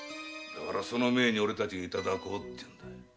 だからその前に俺たちがいただこうってんだ。